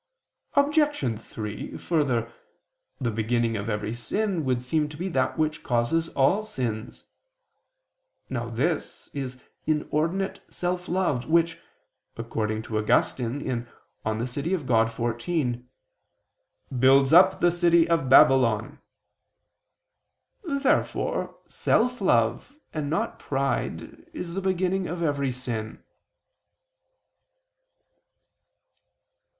Obj. 3: Further, the beginning of every sin would seem to be that which causes all sins. Now this is inordinate self love, which, according to Augustine (De Civ. Dei xiv), "builds up the city of Babylon." Therefore self love and not pride, is the beginning of every sin.